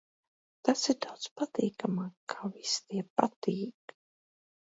Tas ir daudz patīkamāk, kā visi tie "Patīk".